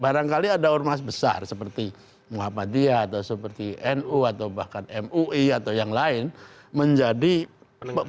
barangkali ada ormas besar seperti muhammadiyah atau seperti nu atau bahkan mui atau yang lain menjadi